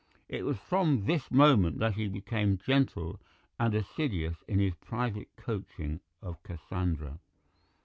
It was from this moment that he became gentle and assiduous in his private coaching of Cassandra.